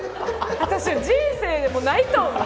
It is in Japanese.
私人生でもないと思う。